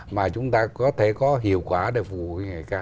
mà chúng ta có thể có hiệu quả để phục vụ hệ thống cảng cá